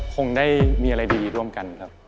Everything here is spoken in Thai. คงได้มีอะไรดีร่วมกันครับ